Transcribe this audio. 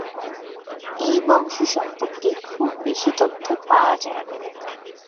এই বংশ সম্পর্কে খুব বেশি তথ্য পাওয়া যায়না।